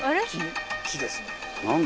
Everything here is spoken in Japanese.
木ですね。